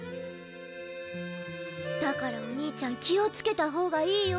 だからお兄ちゃん気をつけたほうがいいよ。